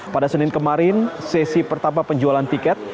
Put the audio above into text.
pada senin kemarin sesi pertama penjualan tiket